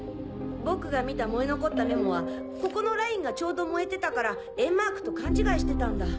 僕が見た燃え残ったメモはここのラインがちょうど燃えてたから円マークと勘違いしてたんだ。